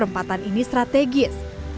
pembelian hajatan ini strategis